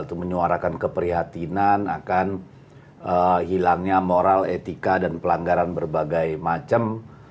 untuk menyuarakan keprihatinan akan hilangnya moral etika dan pelanggaran berbagai macam